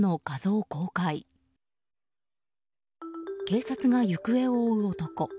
警察が行方を追う男。